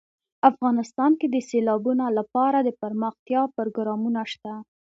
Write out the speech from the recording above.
افغانستان کې د سیلابونه لپاره دپرمختیا پروګرامونه شته.